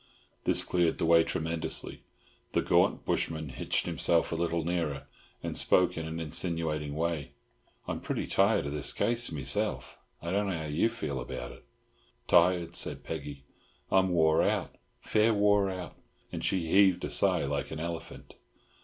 This cleared the way tremendously. The gaunt bushman hitched himself a little nearer, and spoke in an insinuating way. "I'm pretty tired of this case meself, I dunno how you feel about it." "Tired!" said Peggy. "I'm wore out. Fair wore out," and she heaved a sigh like an elephant.